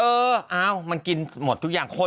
เอ้อมันกินหมดทุกอย่าง